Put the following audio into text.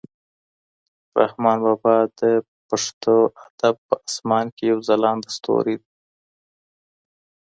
رحمان بابا د پښتو ادب په اسمان کې یو ځلانده ستوری و.